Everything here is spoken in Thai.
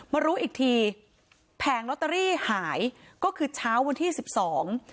มารู้อีกทีแผงลอตเตอรี่หายก็คือเช้าวันที่สิบสอง